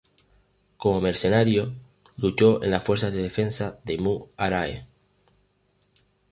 Como mercenario, luchó en las fuerzas de defensa de Mu Arae.